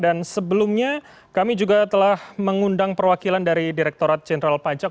dan sebelumnya kami juga telah mengundang perwakilan dari direktorat jenderal pajak